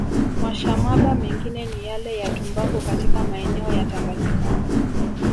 Mashamaba mengine ni yale ya Tumbaku katika maeneo ya Tanganyika